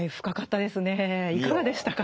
いかがでしたか？